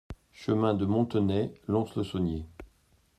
Chemin de Montenay, Lons-le-Saunier